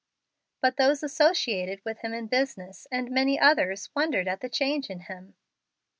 But those associated with him in business, and many others, wondered at the change in him.